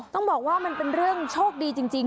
ต้องบอกว่ามันเป็นเรื่องโชคดีจริง